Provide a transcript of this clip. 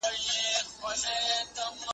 چي ته نه کړې اندېښنه زما د زامنو ,